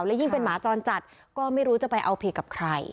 และยิ่งเป็นหมาจรจัดก็ไม่รู้จะไปเอาผิดกับใคร